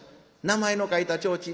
名前の書いた提灯。